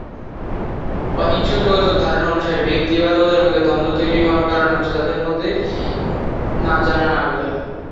অহিংস যোগাযোগ ধারণা অনুসারে, ব্যক্তি বা দলের মধ্যে দ্বন্দ্ব তৈরি হওয়ার কারণে হচ্ছে তাদের চাহিদা সম্পর্কে না জানা, না বোঝা।